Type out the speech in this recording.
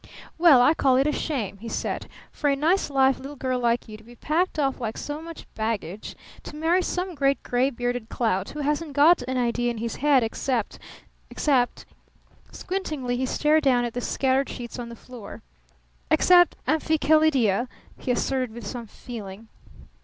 "Well, I call it a shame!" he said. "For a nice live little girl like you to be packed off like so much baggage to marry some great gray bearded clout who hasn't got an idea in his head except except " squintingly he stared down at the scattered sheets on the floor "except 'Amphichelydia,'" he asserted with some feeling.